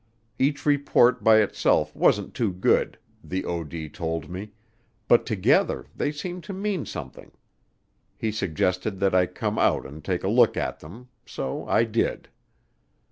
Each report by itself wasn't too good, the OD told me, but together they seemed to mean something. He suggested that I come out and take a look at them so I did.